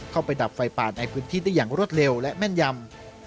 ดับไฟป่าในพื้นที่ได้อย่างรวดเร็วและแม่นยำ